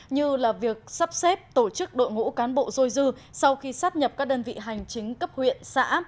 như là việc sắp xếp tổ chức đội ngũ cán bộ dôi dư sau khi sát nhập các đơn vị hành chính cấp huyện xã